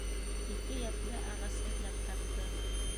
Ике йәпле ағас эҙләп тапты.